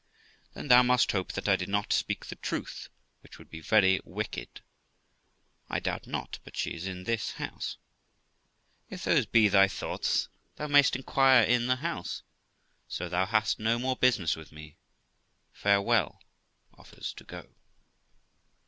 Qu. Then thou must hope that I did not speak the truth, which would be very wicked. Girl. I doubt not but she is in this house. Qu. If those be thy thoughts, thou may'st inquire in the house ; so thou hast no more business with me. Farewell ![ Offers to go.